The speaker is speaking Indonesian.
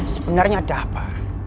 sebenarnya ada apa